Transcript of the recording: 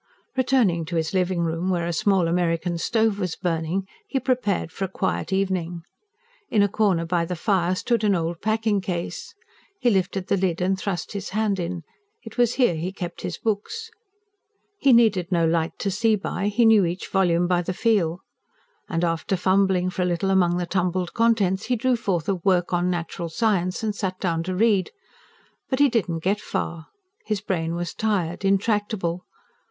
Returning to his living room where a small American stove was burning, he prepared for a quiet evening. In a corner by the fire stood an old packing case. He lifted the lid and thrust his hand in: it was here he kept his books. He needed no light to see by; he knew each volume by the feel. And after fumbling for a little among the tumbled contents, he drew forth a work on natural science and sat down to read. But he did not get far; his brain was tired, intractable.